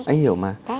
anh hiểu mà